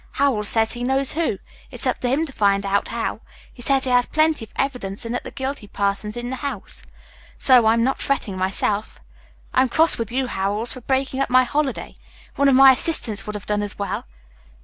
Howells says he knows who. It's up to him to find out how. He says he has plenty of evidence and that the guilty person's in this house, so I'm not fretting myself. I'm cross with you, Howells, for breaking up my holiday. One of my assistants would have done as well."